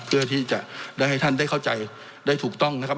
เพื่อที่จะได้ให้ท่านได้เข้าใจได้ถูกต้องนะครับ